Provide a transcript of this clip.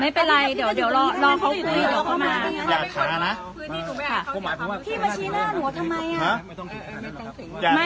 ไม่เป็นไรเดี๋ยวลองเค้ากุยต่อเดี๋ยวเค้ามา